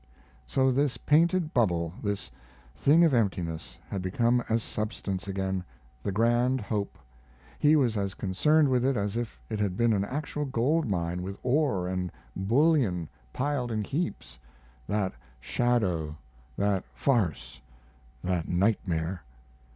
So this painted bubble, this thing of emptiness, had become as substance again the grand hope. He was as concerned with it as if it had been an actual gold mine with ore and bullion piled in heaps that shadow, that farce, that nightmare.